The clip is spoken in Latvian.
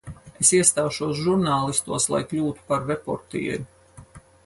Es iestāšos žurnālistos, lai kļūtu par reportieri.